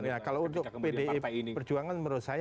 ya kalau untuk pdi perjuangan menurut saya